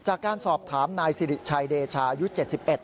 จากการสอบถามนายศิริชายเดชายุทธ์๗๑